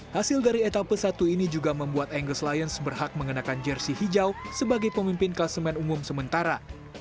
hasil dari etapa satu ini juga membuat angus lyons berhak mengenakan jersi hijau sebagai pemimpin klasemen umum sementara